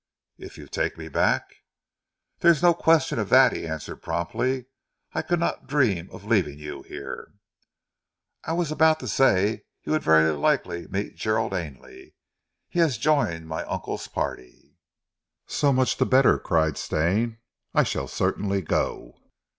"If you take me back ?" "There is no question of that," he answered promptly. "I could not dream of leaving you here." "I was about to say you would very likely meet Gerald Ainley. He has joined my uncle's party." "So much the better," cried Stane. "I shall certainly go."